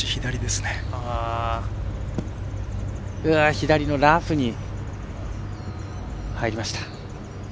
左のラフに入りました。